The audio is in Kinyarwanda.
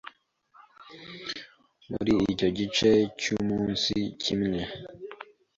Muri icyo gice cy’umunsi kimwe